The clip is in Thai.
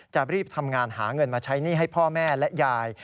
จะรีบทำงานหาเงินมาใช้หนี้ให้พ่อแม่และยาย